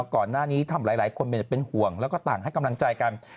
ก่อนหน้านี้ทำหลายคนเป็นห่วงแล้วก็ต่างให้กำลังใจกัน